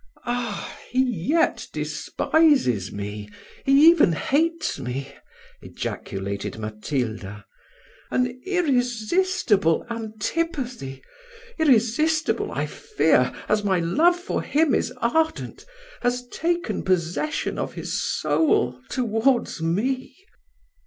"Ah! he yet despises me he even hates me," ejaculated Matilda. "An irresistible antipathy irresistible, I fear, as my love for him is ardent, has taken possession of his soul towards me.